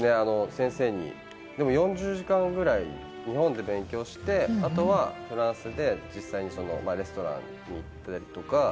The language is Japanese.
先生に４０時間ぐらい日本で勉強して、あとはフランスで実際にワインレストランに行ったりとか。